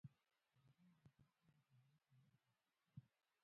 چرګان د افغانستان د صادراتو برخه ده.